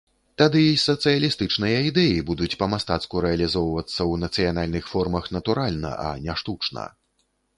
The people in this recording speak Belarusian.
Тады і сацыялістычныя ідэі будуць па-мастацку рэалізавацца ў нацыянальных формах натуральна, а не штучна.